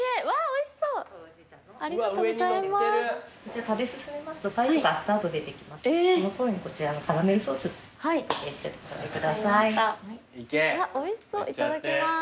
おいしそういただきます。